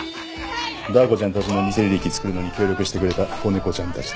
ダー子ちゃんたちの偽履歴つくるのに協力してくれた子猫ちゃんたちと。